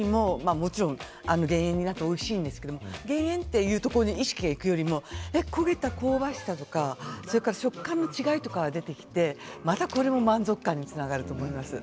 もちろん減塩になっておいしいんですけど減塩というところに意識がいくよりも焦げた香ばしさとか食感の違いとかが出てきてまたこれも満足感につながると思います。